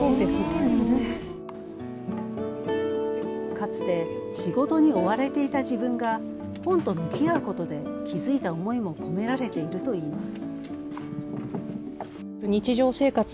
かつて仕事に追われていた自分が本と向き合うことで気付いた思いも込められているといいます。